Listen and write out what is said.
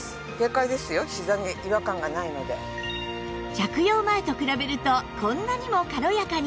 着用前と比べるとこんなにも軽やかに